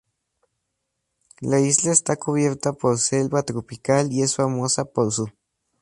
La isla está cubierta por selva tropical y es famosa por su fauna.